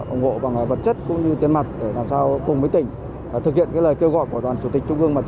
ủng hộ bằng vật chí